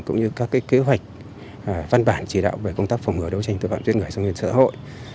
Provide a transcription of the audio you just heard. cũng như các kế hoạch văn bản chỉ đạo về công tác phòng ngừa đấu tranh tội phạm giết người trong xã hội